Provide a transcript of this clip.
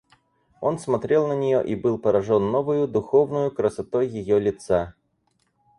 Он смотрел на нее и был поражен новою духовною красотой ее лица.